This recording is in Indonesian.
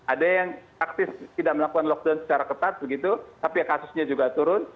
ada yang aktif tidak melakukan lockdown secara ketat begitu tapi kasusnya juga turun